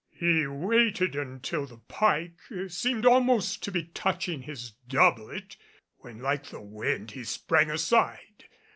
He waited until the pike seemed almost to be touching his doublet, when like the wind he sprang aside.